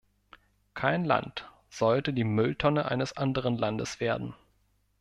Kein Land sollte die Mülltonne eines anderen Landes werden.